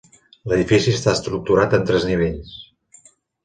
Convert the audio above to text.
L'edifici està estructurat en tres nivells.